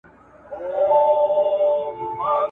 کتاب د انسان فکر ته نوې لارې پرانيزي او د ژوند مانا ژوره کوي !.